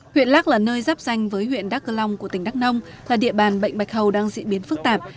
huyện lắc là nơi giáp danh với huyện đắk cơ long của tỉnh đắk nông là địa bàn bệnh bạch hầu đang diễn biến phức tạp